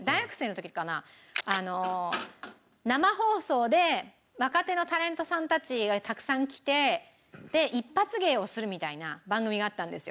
あの生放送で若手のタレントさんたちがたくさん来て一発芸をするみたいな番組があったんですよ。